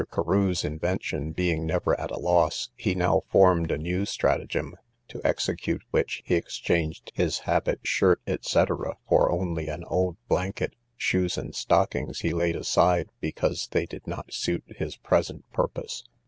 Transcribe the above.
Carew's invention being never at a loss, he now formed a new stratagem; to execute which, he exchanged his habit, shirt, &c., for only an old blanket; shoes and stockings he laid aside, because they did not suit his present purpose.